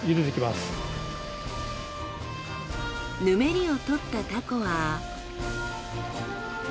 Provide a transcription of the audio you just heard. ぬめりを取ったタコは。